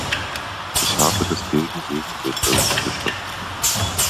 Ich habe deswegen gegen den Bericht gestimmt.